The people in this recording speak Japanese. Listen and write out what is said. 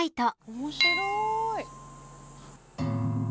おもしろい！